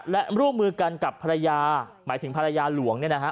และร่วมมือกันกับภรรยาหมายถึงภรรยาหลวงเนี่ยนะฮะ